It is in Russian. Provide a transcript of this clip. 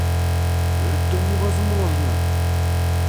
Это невозможно!